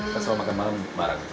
selalu makan bareng bareng